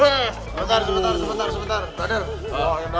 sebentar sebentar sebentar